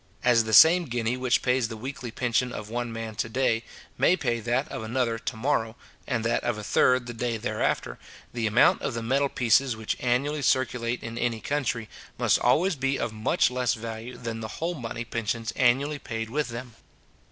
As the same guinea which pays the weekly pension of one man to day, may pay that of another to morrow, and that of a third the day thereafter, the amount of the metal pieces which annually circulate in any country, must always be of much less value than the whole money pensions annually paid with them.